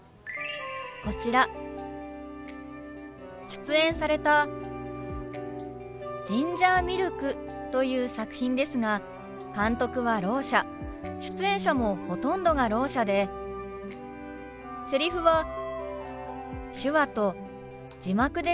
こちら出演された「ジンジャーミルク」という作品ですが監督はろう者出演者もほとんどがろう者でセリフは手話と字幕でつづられる作品なんですよね。